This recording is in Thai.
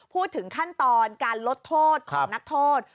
พูดถึงขั้นตอนการลดโทษของนักโทษ